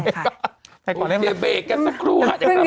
เติมเยอะกว่านี้ขึ้นก็๕๐ตังค์ป่ะปกติแล้วขึ้น๖๐วันนี้